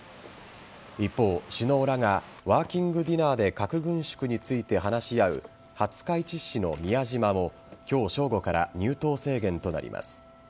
一方、首脳らがワーキングディナーで核軍縮について話し合う廿日市市の宮島も今日正午から入島制限となります。